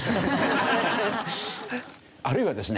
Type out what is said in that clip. あるいはですね